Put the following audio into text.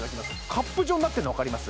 カップ状になってるのわかります？